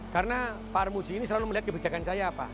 karena pak armuji ini selalu melihat kebijakan saya apa